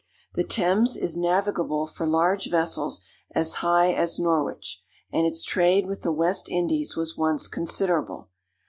The Thames is navigable for large vessels as high as Norwich, and its trade with the West Indies was once considerable.